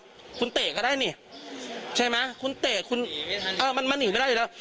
ผู้ชายเนอะคุณเตะก็ได้นี่ใช่ไหมคุณเตะคุณเอ่อมันมันหนีไม่ได้แล้ว